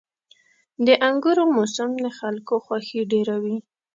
• د انګورو موسم د خلکو خوښي ډېروي.